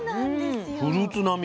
フルーツ並み。